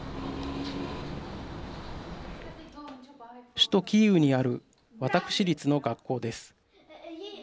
首都キーウにある私立の学校です。